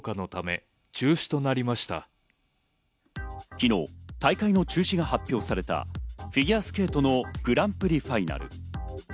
昨日、大会の中止が発表されたフィギュアスケートのグランプリファイナル。